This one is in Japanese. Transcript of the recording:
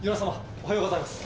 おはようございます。